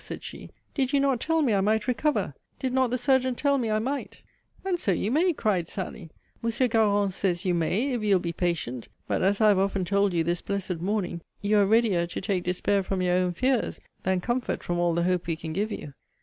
said she, did you not tell me I might recover? Did not the surgeon tell me I might? And so you may, cried Sally; Monsieur Garon says you may, if you'll be patient. But, as I have often told you this blessed morning, you are reader to take despair from your own fears, than comfort from all the hope we can give you.